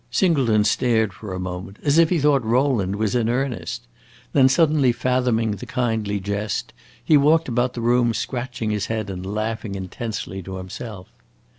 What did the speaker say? Singleton stared for a moment, as if he thought Rowland was in earnest; then suddenly fathoming the kindly jest, he walked about the room, scratching his head and laughing intensely to himself.